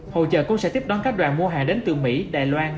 hội trợ cũng sẽ tiếp đón các đoàn mua hàng đến từ mỹ đài loan